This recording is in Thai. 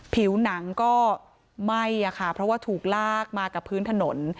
ผิวหนังก็ไหม้ค่ะเพราะว่าถูกลากมากับพื้นถนน